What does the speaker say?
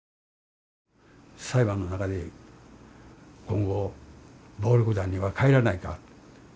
裁判の中で「今後暴力団にはかえらないか。